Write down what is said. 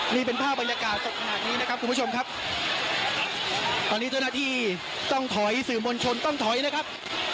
นี่เป็นภาพบรรยากาศสดขนาดนี้นะครับคุณผู้ชมครับตอนนี้เจ้าหน้าที่ต้องถอยสื่อมวลชนต้องถอยนะครับ